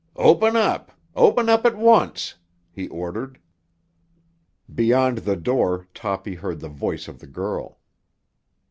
"Open up; open up at once!" he ordered. Beyond the door Toppy heard the voice of the girl.